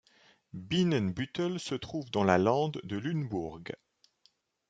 Bienenbüttel se trouve dans la lande de Lunebourg.